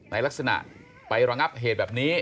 ในลักษณะไประงับเหตุแบบนี้